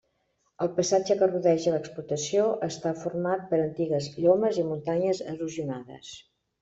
El paisatge que rodeja l'explotació està format per antigues llomes i muntanyes erosionades.